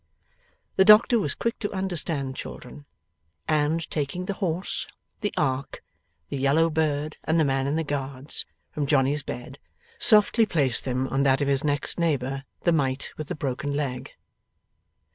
The doctor was quick to understand children, and, taking the horse, the ark, the yellow bird, and the man in the Guards, from Johnny's bed, softly placed them on that of his next neighbour, the mite with the broken leg.